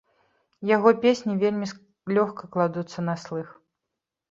Яго песні вельмі лёгка кладуцца на слых.